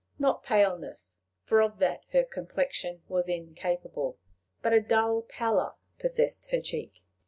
Not paleness, for of that her complexion was incapable, but a dull pallor possessed her cheek.